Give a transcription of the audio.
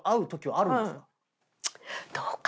どうかな？